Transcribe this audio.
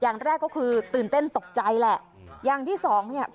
อย่างแรกก็คือตื่นเต้นตกใจแหละอย่างที่สองเนี่ย